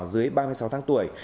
dưới ba mươi sáu tháng tuổi